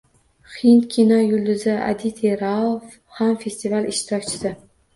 Hind kino yulduzi Aditi Rao ham festival ishtirokchisi